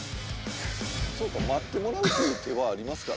そうか待ってもらうっていう手はありますからね。